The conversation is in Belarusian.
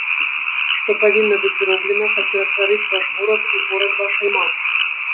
Што павінна быць зроблена, каб ператварыць ваш горад у горад вашай мары?